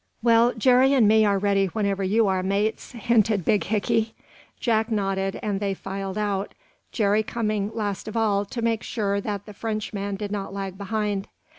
"Well, Jerry and me are ready whenever you are, mates," hinted big Hickey. Jack nodded, and they filed out, Jerry coming last of all to make sure that the Frenchman did not lag behind.